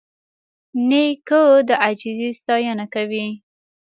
نیکه د عاجزۍ ستاینه کوي.